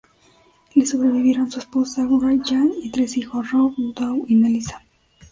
Le sobrevivieron su esposa, Wray Jean, y tres hijos: Rob, Doug, y Melissa.